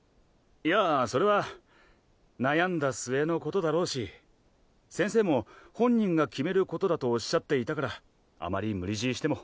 いやそれは悩んだ末のことだろうし先生も本人が決めることだとおっしゃっていたからあまり無理強いしても。